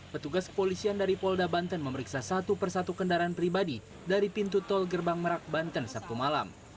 petugas kepolisian dari polda banten memeriksa satu persatu kendaraan pribadi dari pintu tol gerbang merak banten sabtu malam